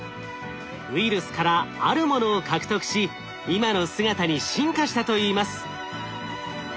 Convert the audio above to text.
ウイルスからあるものを獲得し今の姿に進化したといいます。